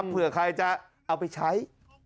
เผื่อใครจะเอาไปใช้